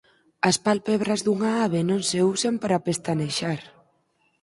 As pálpebras dunha ave non se usan para pestanexar.